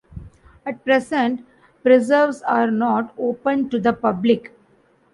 At present, preserves are not open to the public.